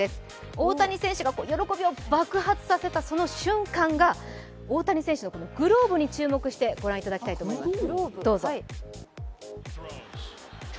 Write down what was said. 大谷選手が喜びを爆発させたその瞬間が大谷選手のグローブに注目してご覧いただきたいと思います。